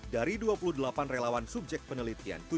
dari dua puluh delapan relawan subjek penelitian